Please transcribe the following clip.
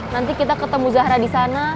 nanti kita ketemu zahra disana